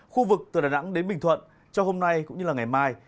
khu vực từ đà nẵng đến bình thuận trong hôm nay cũng như ngày mai